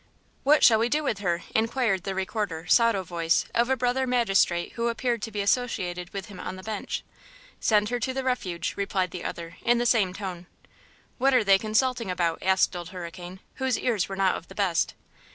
"WHAT shall we do with her?" inquired the Recorder, sotto voce, of a brother magistrate who appeared to be associated with him on the bench. "Send her to the Refuge," replied the other, in the same tone. "What are they consulting about?" asked Old Hurricane, whose ears were not of the best.